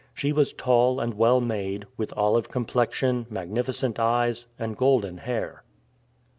She was tall and well made, with olive complexion, magnificent eyes, and golden hair.